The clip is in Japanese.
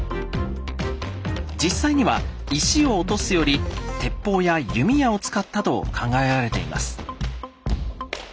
実際には石を落とすより鉄砲や弓矢を使ったと考えられています。